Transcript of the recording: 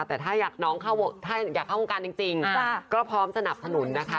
แต่ถ้าอยากเข้าวงการจริงก็พร้อมสนับสนุนนะคะ